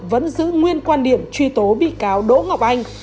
vẫn giữ nguyên quan điểm truy tố bị cáo đỗ ngọc anh